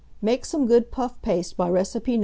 Make some good puff paste by recipe No.